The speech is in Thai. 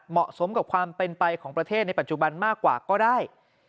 เหมาะสมกับความเป็นไปของประเทศในปัจจุบันมากกว่าก็ได้